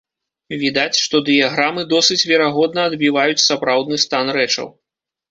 Відаць, што дыяграмы досыць верагодна адбіваюць сапраўдны стан рэчаў.